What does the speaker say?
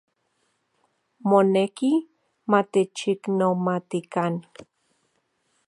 Moneki matechiknomatikan.